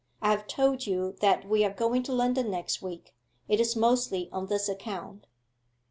I have told you that we are going to London next week; it is mostly on this account.